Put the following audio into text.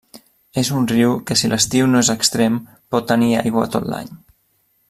És un riu que si l'estiu no és extrem, pot tenir aigua tot l'any.